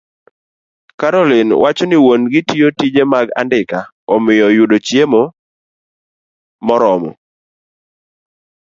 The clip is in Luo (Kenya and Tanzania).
Caroline wacho ni wuon-gi tiyo tije mag andika, omiyo yudo chiemo moromo